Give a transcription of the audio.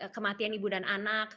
kematian ibu dan anak